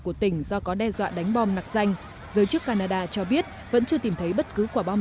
của tỉnh do có đe dọa đánh bom nạc danh giới chức canada cho biết vẫn chưa tìm thấy bất cứ quả bom